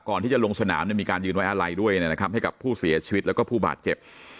ก่อนที่จะลงสนามมีการยืนไว้อะไรด้วยนะครับให้กับผู้เสียชีวิตแล้วก็ผู้บาดเจ็บ